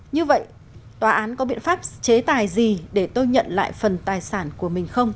như vậy tòa án có biện pháp chế tài gì để tôi nhận lại phần tài sản của mình không